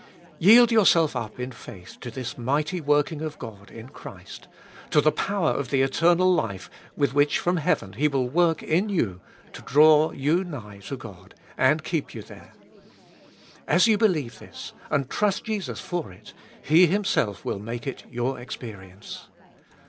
Yield yourself up in faith to this mighty working of God in Christ, to the power of the eternal life with which from heaven He will work in you to draw you nigh to God, and keep you there. As you believe this, and trust Jesus for it, He Himself will make it your experience.